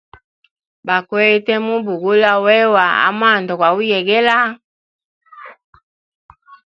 Bakwete mubugula wewa amwanda gwauyegela.